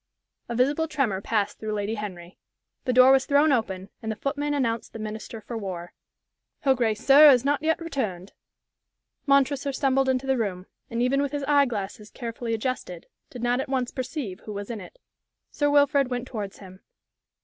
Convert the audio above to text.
A visible tremor passed through Lady Henry. The door was thrown open, and the footman announced the Minister for War. "Her grace, sir, is not yet returned." Montresor stumbled into the room, and even with his eye glasses carefully adjusted, did not at once perceive who was in it. Sir Wilfrid went towards him.